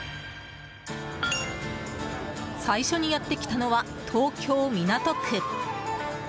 最初にやってきたのは東京・港区。